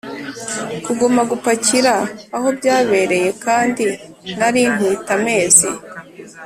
kuguma gupakira aho byabereye kandi nari ntwite amezi